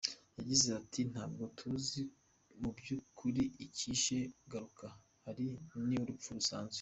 Yagize ati “Ntabwo tuzi mu by’ukuri icyishe Garuka, ariko ni urupfu rusanzwe.